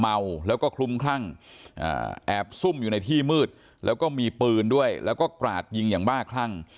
เมาแล้วก็คลุ้มคลั่งแอบซุ่มอยู่ในที่มืดแล้วก็มีปืนด้วยแล้วก็กราดยิงอย่างบ้าคลั่ง